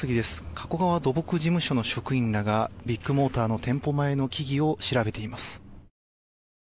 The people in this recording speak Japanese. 加古川土木事務所の職員らがビッグモーターの店舗前の木々を調べています。